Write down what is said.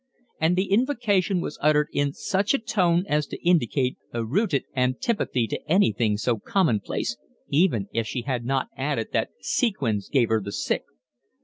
And the invocation was uttered in such a tone as to indicate a rooted antipathy to anything so commonplace, even if she had not added that sequins gave her the sick.